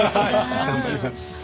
頑張ります。